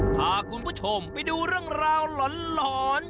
พาคุณผู้ชมไปดูเรื่องราวหลอน